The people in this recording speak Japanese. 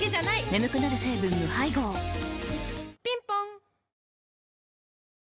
眠くなる成分無配合ぴんぽん